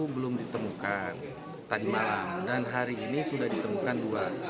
empat puluh satu belum ditemukan tadi malam dan hari ini sudah ditemukan dua